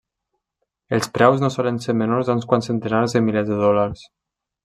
Els preus no solen ser menors a uns quants centenars de milers de dòlars.